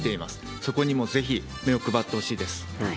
そこにもぜひ目を配ってほしいです。